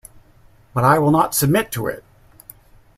But I will not submit to it!